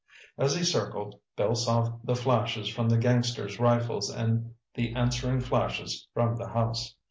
As he circled, Bill saw the flashes from the gangster's rifles and the answering flashes from the house.